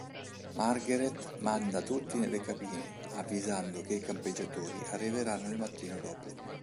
Margaret manda tutti nelle cabine, avvisando che i campeggiatori arriveranno il mattino dopo.